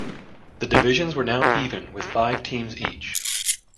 The divisions were now even with five teams each.